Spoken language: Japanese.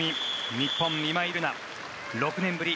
日本、今井月６年ぶり